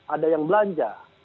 ada yang belanja